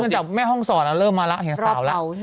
เขามาแล้วเห็นเผาแล้ว